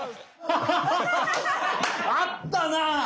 あったな！